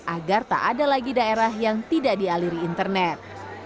agar tak ada lagi daerah yang tidak dialiri internet